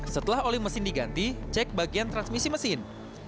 setelah oli mesin diganti cek bagian transmisi mesin